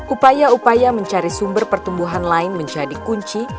upaya upaya mencari sumber pertumbuhan lain menjadi kunci